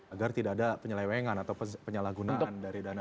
agar tidak ada penyelewengan atau penyalahgunaan dari dana